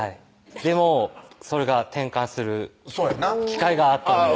でもそれが転換する機会があったんです